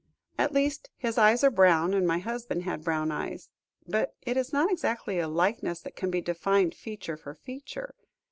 At least, his eyes are brown, and my husband had brown eyes, but it is not exactly a likeness that can be defined feature for feature.